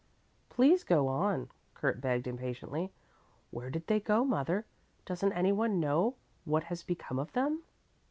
"Please go on," Kurt begged impatiently. "Where did they go, mother? Doesn't anyone know what has become of them?"